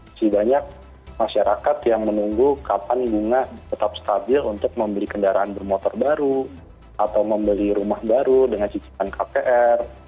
masih banyak masyarakat yang menunggu kapan bunga tetap stabil untuk membeli kendaraan bermotor baru atau membeli rumah baru dengan cicilan kpr